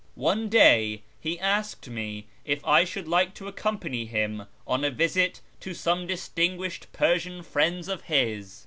One day he asked me if I should like to accompany him on a visit to some distinguished Persian friends of his.